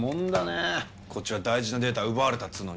こっちは大事なデータ奪われたっつうのによ。